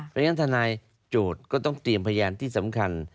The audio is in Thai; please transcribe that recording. เพราะฉะนั้นทนายโจทย์ก็ต้องเตรียมพยานที่สำคัญ